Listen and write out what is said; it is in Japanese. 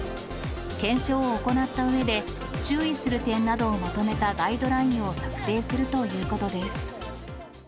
検証を行ったうえで、注意する点などをまとめたガイドラインを策定するということです。